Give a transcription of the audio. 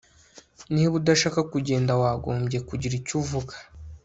Niba udashaka kugenda wagombye kugira icyo uvuga